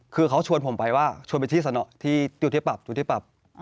คือเขาชวนผมไปว่าชวนไปที่สนที่จุดที่ปรับจุดที่ปรับ